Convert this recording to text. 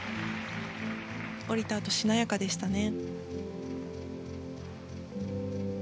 降りたあとしなやかでしたね。